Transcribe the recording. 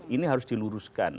ini harus diluruskan